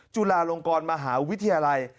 จุฬาลงกรมหาวิทยาลัย